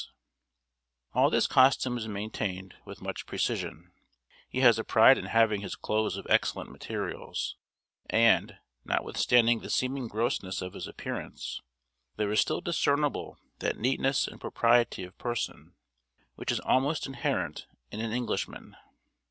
All this costume is maintained with much precision; he has a pride in having his clothes of excellent materials; and, notwithstanding the seeming grossness of his appearance, there is still discernible that neatness and propriety of person, which is almost inherent in an Englishman.